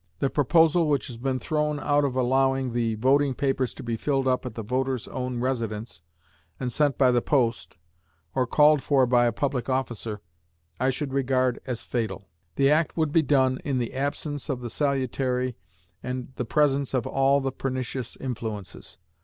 The proposal which has been thrown out of allowing the voting papers to be filled up at the voter's own residence, and sent by the post, or called for by a public officer, I should regard as fatal. The act would be done in the absence of the salutary and the presence of all the pernicious influences.